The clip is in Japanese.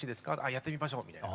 「やってみましょう」みたいな。